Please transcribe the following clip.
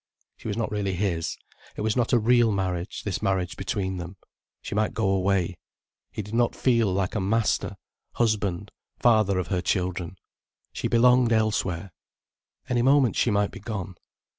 She was not really his, it was not a real marriage, this marriage between them. She might go away. He did not feel like a master, husband, father of her children. She belonged elsewhere. Any moment, she might be gone.